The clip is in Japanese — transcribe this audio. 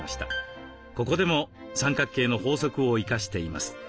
ここでも三角形の法則を生かしています。